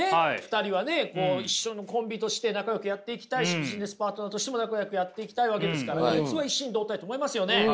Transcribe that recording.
２人はねこう一緒のコンビとして仲よくやっていきたいしビジネスパートナーとしても仲よくやっていきたいわけですから普通は一心同体と思いますよね。